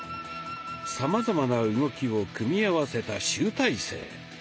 さまざまな動きを組み合わせた集大成。